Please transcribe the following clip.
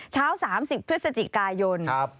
เช้า๓๐พฤศจิกายน